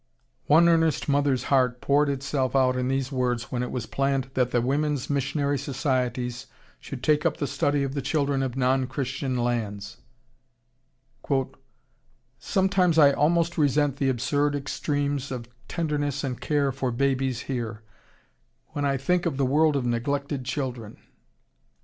One earnest mother heart poured itself out in these words when it was planned that the women's missionary societies should take up the study of the children of non Christian lands: "Sometimes I almost resent the absurd extremes of tenderness and care for babies here, when I think of the world of neglected children.